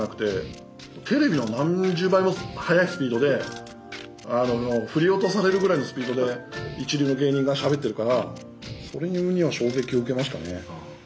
テレビの何十倍も速いスピードで振り落とされるぐらいのスピードで一流の芸人がしゃべってるからそれには衝撃を受けましたね。